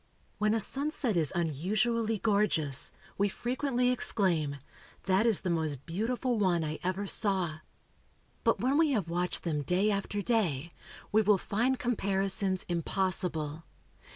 When a sunset is unusually gorgeous, we frequently exclaim, "That is the most beautiful one I ever saw!" But when we have watched them day after day, we will find comparisons impossible.